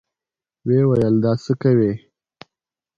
ويې ويل دا څه کوې.